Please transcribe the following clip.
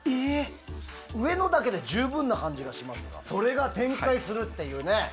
上のだけで十分な感じがしますがそれが展開するっていうね。